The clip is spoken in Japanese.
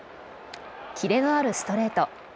キレのあるストレート。